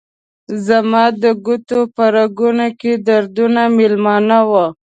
زما د ګوتو په رګونو کې دردونه میلمانه وه